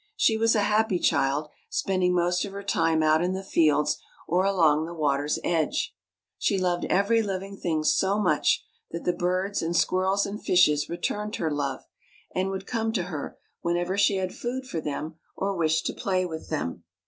She was a happy child, spending most of her time out in the fields or along the water's edge. She loved every living thing so much that the birds and squirrels and fishes returned her love, and would come to her whenever 126 THE CASTLE UNDER THE SEA she had food for them, or wished to play with them..